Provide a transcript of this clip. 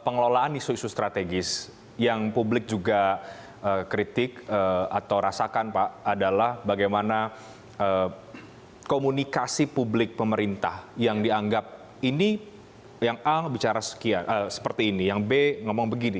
pengelolaan isu isu strategis yang publik juga kritik atau rasakan pak adalah bagaimana komunikasi publik pemerintah yang dianggap ini yang a bicara sekian seperti ini yang b ngomong begini